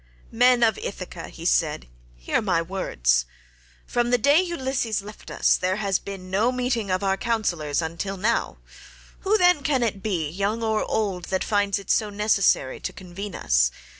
"Men of Ithaca," he said, "hear my words. From the day Ulysses left us there has been no meeting of our councillors until now; who then can it be, whether old or young, that finds it so necessary to convene us?